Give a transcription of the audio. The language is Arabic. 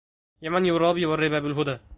يا من يرابي والربا بالهدى